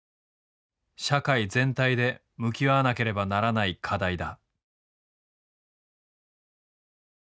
社会全体で向き合わなければならない課題だ。